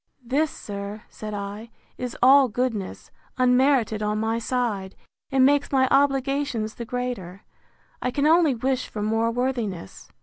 This, sir, said I, is all goodness, unmerited on my side; and makes my obligations the greater. I can only wish for more worthiness.